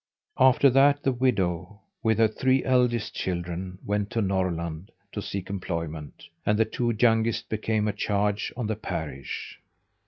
After that the widow, with her three eldest children, went to Norrland to seek employment, and the two youngest became a charge on the parish.